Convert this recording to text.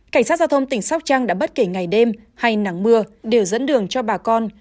cảnh sát giao thông tỉnh sóc trăng đã bất kể ngày đêm hay nắng mưa đều dẫn đường cho bà con